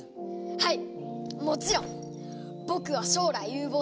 はい！